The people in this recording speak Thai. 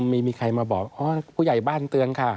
มีใครมาบอกผู้ใหญ่บ้านเตือนค่ะ